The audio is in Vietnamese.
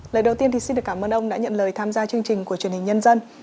lời đầu tiên thì xin được cảm ơn ông đã nhận lời tham gia chương trình của truyền hình nhân dân